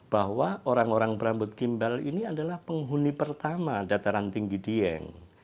bahwa orang orang berambut gimbal ini adalah penghuni pertama dataran tinggi dieng